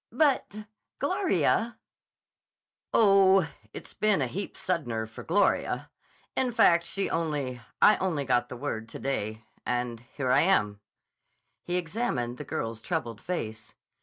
"But, Gloria—" "Oh, it's been a heap suddener for Gloria. In fact she only—I only got the word to day. And here I am." He examined the girl's troubled face.